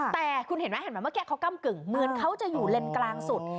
แต่คุณเห็นไหมเห็นไหมเมื่อกี้เขาก้ำกึ่งเหมือนเขาจะอยู่เลนกลางสุด